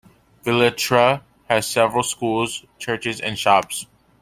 Filiatra has several schools, churches and shops.